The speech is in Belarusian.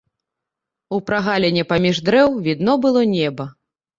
У прагаліне паміж дрэў відно было неба.